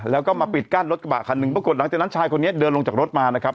แล้วก็มาปิดกั้นรถกระบะคันหนึ่งปรากฏหลังจากนั้นชายคนนี้เดินลงจากรถมานะครับ